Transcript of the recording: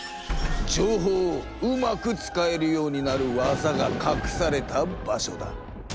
情報をうまく使えるようになる技がかくされた場所だ。